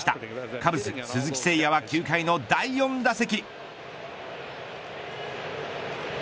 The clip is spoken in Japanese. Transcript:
カブス鈴木誠也は９回の第４打席。